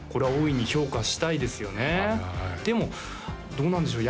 どうなんでしょう？